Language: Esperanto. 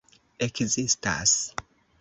ekzistas